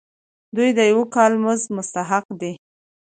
دوی د یو کال مزد مستحق دي.